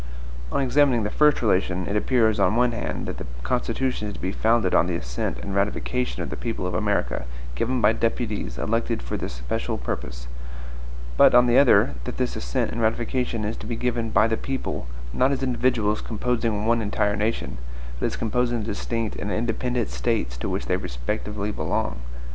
On examining the first relation, it appears, on one hand, that the Constitution is to be founded on the assent and ratification of the people of America, given by deputies elected for the special purpose; but, on the other, that this assent and ratification is to be given by the people, not as individuals composing one entire nation, but as composing the distinct and independent States to which they respectively belong.